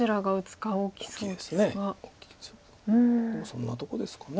そんなとこですか。